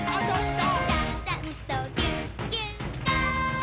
あ、どした！